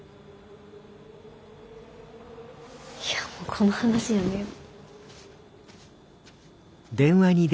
いやもうこの話やめよう。